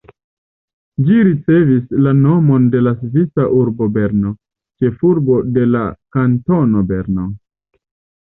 Ĝi ricevis la nomon de la svisa urbo Berno, ĉefurbo de la kantono Berno.